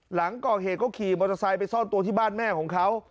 หลังก่อเหตุก็ขี่มอเตอร์ไซค์ไปซ่อนตัวที่บ้านแม่ของเขา